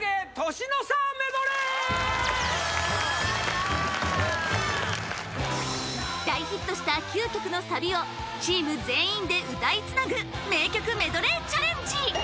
年の差メドレー大ヒットした９曲のサビをチーム全員で歌いつなぐ名曲メドレーチャレンジ